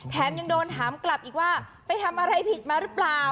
แถมยังโดนถามกลับอีกว่าไปทำอะไรผิดมาหรือเปล่า